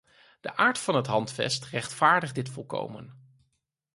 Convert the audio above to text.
De aard van het handvest rechtvaardigt dit volkomen.